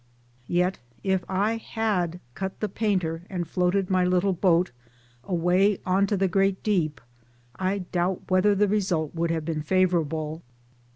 Yet if I had cut the painter and floated my little boat away onto the great deep I doubt whether the result would have been favorable.